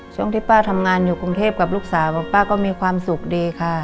ช่วงที่ป้าทำงานอยู่กรุงเทพกับลูกสาวบอกป้าก็มีความสุขดีค่ะ